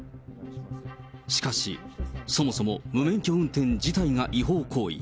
しかし、そもそも無免許運転自体が違法行為。